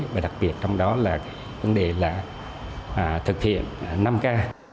và đặc biệt trong đó là thực hiện năm k